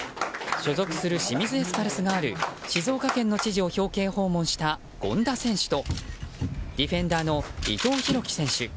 所属する清水エスパルスがある静岡県の知事を表敬訪問した権田選手とディフェンダーの伊藤洋輝選手。